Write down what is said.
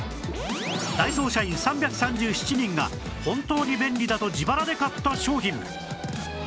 ダイソー社員３３７人が本当に便利だと自腹で買った商品